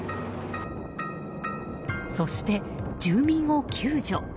そして、住民を救助。